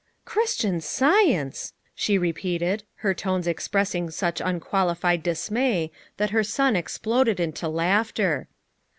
"Christian Science!" she re peated her tones expressing such unqualified dismay that her son exploded into laughter.